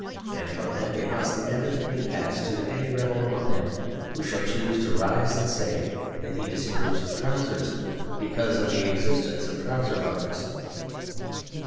And from them it must inevitably pass to any rebel among them who shall choose to rise and say that he disapproves of trousers because of the existence of trouser buttons.